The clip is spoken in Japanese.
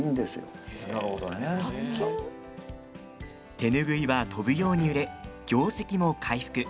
手拭いは飛ぶように売れ業績も回復。